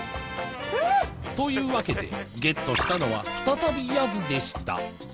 というわけでゲットしたのは再びヤズでした